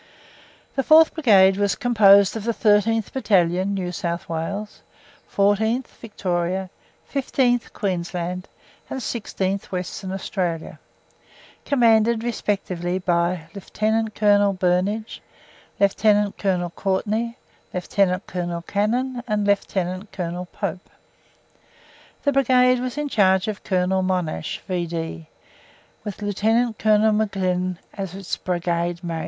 The Fourth Brigade was composed of the 13th Battalion (N.S.W.), 14th (Victoria), 15th (Queensland) and 16th (Western Australia) commanded respectively by Lieutenant Colonel Burnage, Lieutenant Colonel Courtnay, Lieutenant Colonel Cannon and Lieutenant Colonel Pope. The Brigade was in charge of Colonel Monash, V.D., with Lieutenant Colonel McGlinn as his Brigade Major.